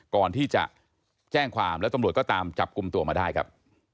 ก่อนที่จะแจ้งความแล้วตำรวจก็ตามจับกลุ่มตัวมาได้ครับ